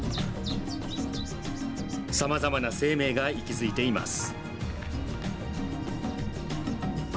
さまざまな生命が息づいています。